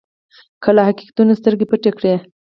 که له حقیقتونو سترګې پټې کړئ.